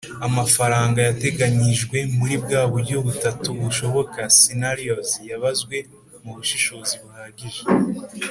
amafaranga yateganyijwe muri bwa buryo butatu bushoboka (scenarios) yabazwe mu bushishozi buhagije